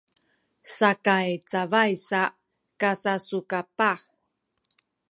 sakay cabay sa kasasukapah